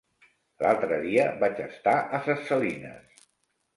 L'altre dia vaig estar a Ses Salines.